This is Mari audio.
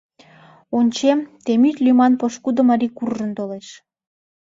Ончем: Темит лӱман пошкудо марий куржын толеш.